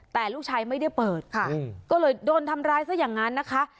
แต่ลูกชายไม่ได้เปิดค่ะก็เลยโดนทำร้ายซะอย่างนั้นนะคะ